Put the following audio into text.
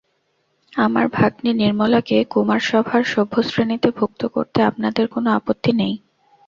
আমার ভাগ্নী নির্মলাকে কুমারসভার সভ্যশ্রেণীতে ভুক্ত করতে আপনাদের কোনো আপত্তি নেই?